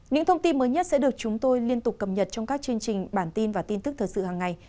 những thông tin mới nhất sẽ được chúng tôi liên tục cập nhật trong các chương trình bản tin và tin tức thời sự hàng ngày